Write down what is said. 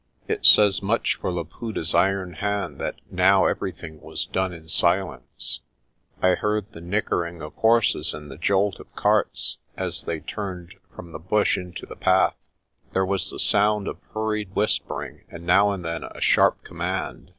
It says much for Laputa's iron hand that now everything was done in silence. I heard the nickering of horses and the jolt of carts as they 145 146 PRESTER JOHN turned from the bush into the path. There was the sound of hurried whispering and now and then a sharp command.